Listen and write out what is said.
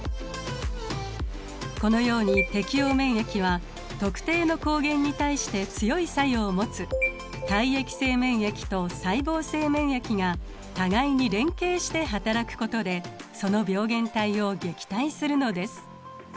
このように適応免疫は特定の抗原に対して強い作用を持つ体液性免疫と細胞性免疫が互いに連携してはたらくことでその病原体を撃退するのです。